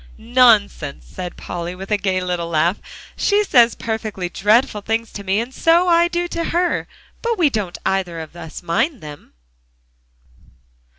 "Nonsense!" said Polly, with a gay little laugh. "She says perfectly dreadful things to me, and so I do to her, but we don't either of us mind them."